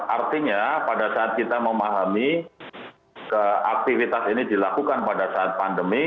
artinya pada saat kita memahami aktivitas ini dilakukan pada saat pandemi